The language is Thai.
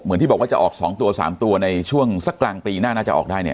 ที่บอกว่าจะออก๒ตัว๓ตัวในช่วงสักกลางปีหน้าน่าจะออกได้เนี่ย